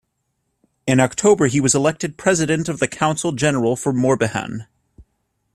In October he was elected president of the council general for Morbihan.